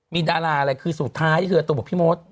มีดาราอะไรคือสุดท้ายพี่มด